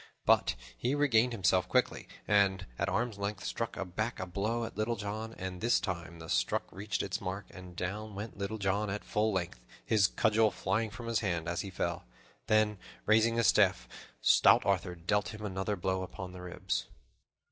But he regained himself quickly and, at arm's length, struck back a blow at Little John, and this time the stroke reached its mark, and down went Little John at full length, his cudgel flying from his hand as he fell. Then, raising his staff, stout Arthur dealt him another blow upon the ribs.